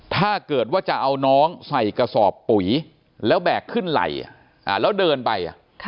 ถ้าเกิดว่าจะเอาน้องใส่กระสอบปุ๋ยแล้วแบกขึ้นไหล่แล้วเดินไป